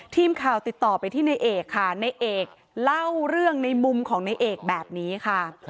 ทีมข่าวติดต่อไปที่ในเอกค่ะในเอกเล่าเรื่องในมุมของในเอกแบบนี้ค่ะ